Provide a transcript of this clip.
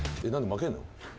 負けんの？